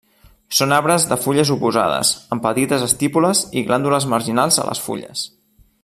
Són arbres de fulles oposades amb petites estípules i glàndules marginals a les fulles.